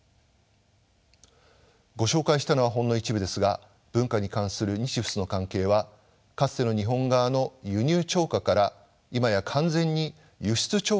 ご紹介したのはほんの一部ですが文化に関する日仏の関係はかつての日本側の輸入超過から今や完全に輸出超過となっています。